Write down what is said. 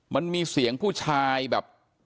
มันมีเสียงผู้ชายแบบ